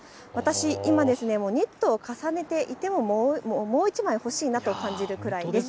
私、今ニットを重ねていてももう１枚欲しいなという感じです。